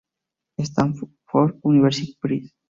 Stanford University Press